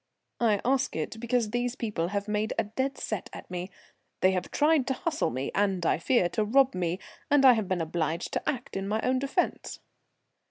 "I ask it because these people have made a dead set at me. They have tried to hustle me and, I fear, to rob me, and I have been obliged to act in my own defence."